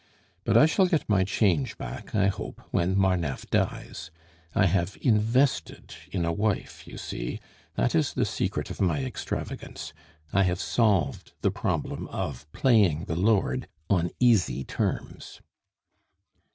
But I shall get my change back, I hope, when Marneffe dies I have invested in a wife, you see; that is the secret of my extravagance. I have solved the problem of playing the lord on easy terms."